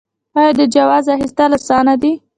آیا د جواز اخیستل اسانه دي؟